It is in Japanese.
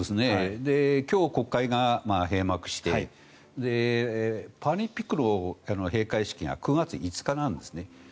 今日、国会が閉幕してパラリンピックの閉会式が９月５日なんですね。